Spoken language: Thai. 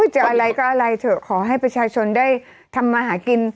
จะอะไรก็อะไรเถอะขอให้ประชาชนได้ทำมาหากิน